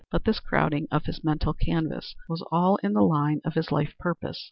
But this crowding of his mental canvas was all in the line of his life purpose.